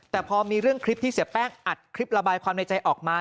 แต่พอมีเรื่องคลิปที่เสียแป้งอัดคลิประบายความในใจออกมา